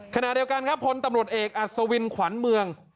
ขณะเดียวกันครับพลตำรวจเอกอัศวินขวัญเมือง